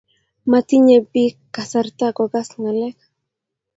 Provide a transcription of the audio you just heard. matinye pik kasrata ko kas ngalek.